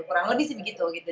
kurang lebih segitu gitu